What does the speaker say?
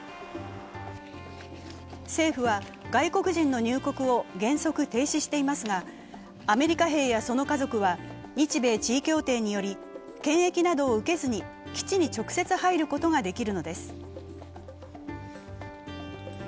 政府は、外国人の入国を原則停止していますが、アメリカ兵やその家族は日米地位協定により検疫などを受けずに基地に直接入ることができるのです。